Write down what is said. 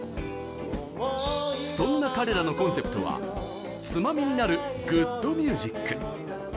そんな彼らのコンセプトはツマミになるグッドミュージック。